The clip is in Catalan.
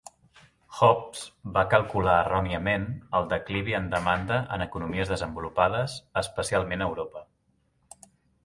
Hobbs va calcular erròniament el declivi en demanda en economies desenvolupades, especialment a Europa.